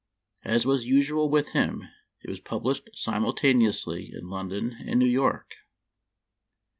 As was usual with him, it was published simultaneously in London and New York.